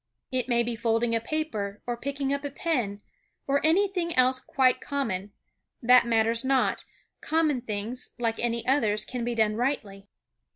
It may be folding a paper or picking up a pin, or anything else quite common; that matters not, common things, like any others, can be done rightly.